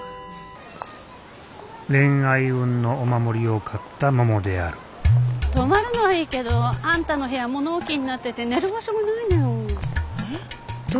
恋愛運のお守りを買ったももである泊まるのはいいけどあんたの部屋物置になってて寝る場所がないのよ。